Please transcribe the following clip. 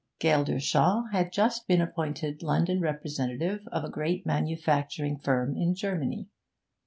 Geldershaw had just been appointed London representative of a great manufacturing firm in Germany.